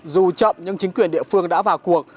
dù chậm nhưng chính quyền địa phương đã vào cuộc